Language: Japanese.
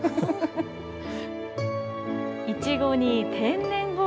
いちごに天然氷。